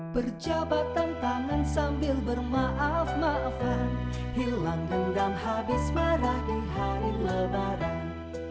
perjabatan tangan sambil bermaaf maafan hilang dendam habis marah di hari lebaran